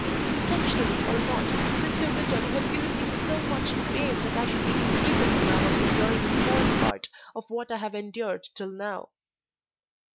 Intentionally or not, since your return you have given me so much pain that I should be incapable now of enduring a fourth part of what I have endured till now.